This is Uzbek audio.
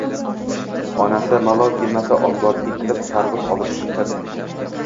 Onasi, malol kelmasa, omborga kirib tarvuz olib chiqqin